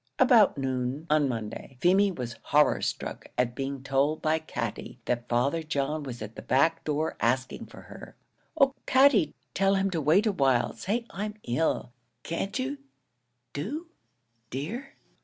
About noon, on Monday, Feemy was horror struck at being told by Katty that Father John was at the back door asking for her. "Oh, Katty, tell him to wait awhile; say I'm ill, can't you do, dear!"